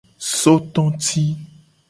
Sototi.